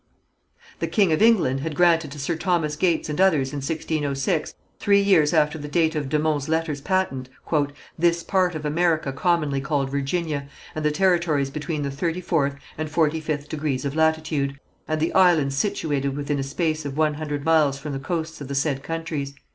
The king of England had granted to Sir Thomas Gates and others, in 1606, three years after the date of de Monts' letters patent, "this part of America commonly called Virginia, and the territories between the thirty fourth and forty fifth degrees of latitude, and the islands situated within a space of one hundred miles from the coasts of the said countries."